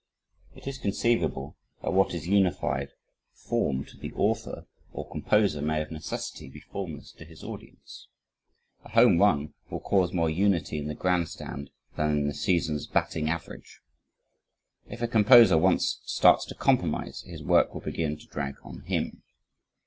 It is conceivable, that what is unified form to the author, or composer, may of necessity be formless to his audience. A home run will cause more unity in the grand stand than in the season's batting average. If a composer once starts to compromise, his work will begin to drag on HIM.